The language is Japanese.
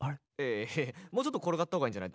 いやいやもうちょっと転がったほうがいいんじゃない？